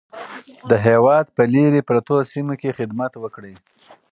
د هېواد په لیرې پرتو سیمو کې خدمت وکړئ.